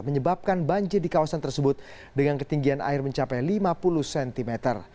menyebabkan banjir di kawasan tersebut dengan ketinggian air mencapai lima puluh cm